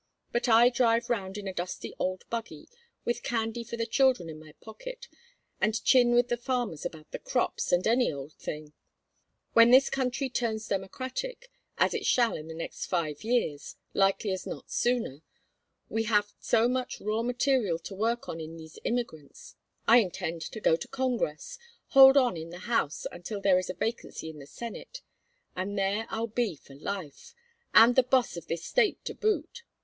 But I drive round in a dusty old buggy, with candy for the children in my pocket, and chin with the farmers about the crops and any old thing. When this county turns Democratic, as it shall in the next five years likely as not sooner, we have so much raw material to work on in these immigrants I intend to go to Congress, hold on in the House until there is a vacancy in the Senate, and there I'll be for life, and the boss of this State to boot.